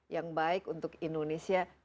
yang baik untuk indonesia